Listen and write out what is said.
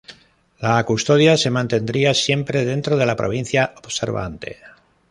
La custodia se mantendría siempre dentro de la provincia observante.